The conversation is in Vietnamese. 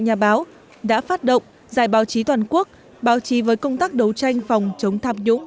nhà báo đã phát động giải báo chí toàn quốc báo chí với công tác đấu tranh phòng chống tham nhũng